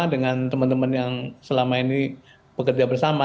dengan teman teman yang selama ini bekerja bersama